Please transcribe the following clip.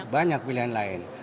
banyak pilihan lain